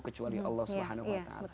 kecuali allah swt